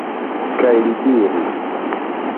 Kaj li diris: